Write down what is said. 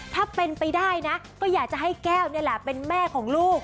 ถ้าเป็นไปได้นะก็อยากจะให้แก้วนี่แหละเป็นแม่ของลูก